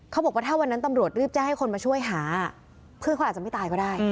เขาบอกว่าถ้าวันนั้นตำรวจรีบแจ้งให้คนมาช่วยหาเพื่อนเขาอาจจะไม่ตายก็ได้